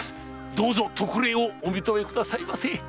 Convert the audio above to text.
どうぞ特例をお認めくださいませ！